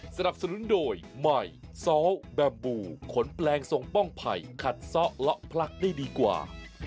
สนับสนุนโดยใหม่ซ้อแบบบูขนแปลงส่งป้องไผ่ขัดซ้อเลาะพลักได้ดีกว่า